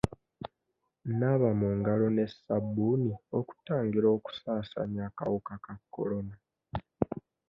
Naaba mu ngalo ne sabbuuni okutangira okusaasaanya akawuka ka kolona.